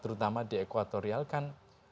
terutama di equatorial kan